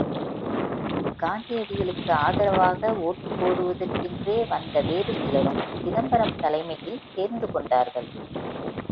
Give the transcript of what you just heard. காந்தியடிகளுக்கு ஆதரவாக ஓட்டு போடுவதற்கென்றே வந்த வேறு சிலரும் சிதம்பரம் தலைமையில் சேர்ந்து கொண்டார்கள்.